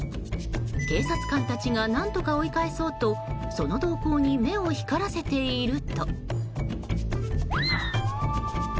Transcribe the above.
警察官たちが何とか追い返そうとその動向に目を光らせていると。